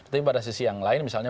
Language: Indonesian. tapi pada sisi yang lain misalnya